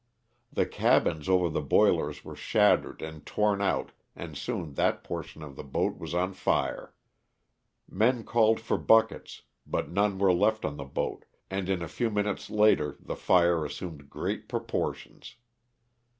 The cabins over the boilers were shattered and torn out and soon that portion of the boat was on fire. Men called for buckets, but none were left on the boat, and in a few minutes later the fire assumed great proportions.